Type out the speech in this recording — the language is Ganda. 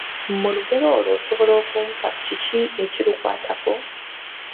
Mu lugero olwo osobola kumpa ki ekirukwatako?